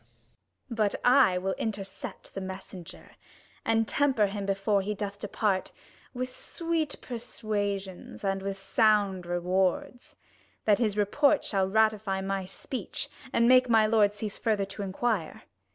But I will intercept the messenger, 40 KING LEIR AND [ACT III And temper him before he doth depart With sweet persuasions, and with sound rewards, 25 That his report shall ratify my speech, And make my lord cease further to inquire.